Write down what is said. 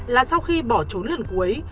là sau khi bỏ trốn lần cuối